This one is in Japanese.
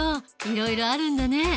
いろいろあるんだね。